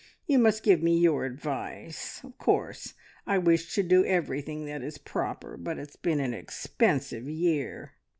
You must give me your advice. Of course, I wish to do everything that is proper, but it's been an expensive year."